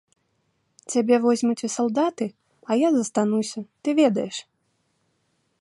Цябе возьмуць у салдаты, а я застануся, ты ведаеш.